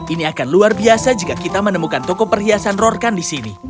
ini akan luar biasa jika kita menemukan toko perhiasan rorkan di sini